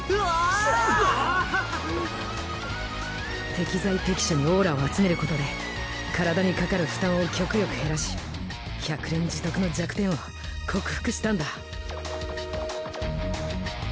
適材適所にオーラを集めることで体にかかる負担を極力減らし百錬自得の弱点を克服したんだ。